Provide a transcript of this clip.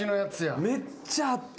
めっちゃあった。